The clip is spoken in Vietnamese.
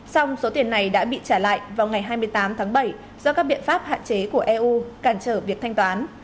song số tiền này đã bị trả lại vào ngày hai mươi tám tháng bảy do các biện pháp hạn chế của eu cản trở việc thanh toán